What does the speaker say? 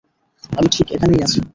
আমি ঠিক এখানেই আছি।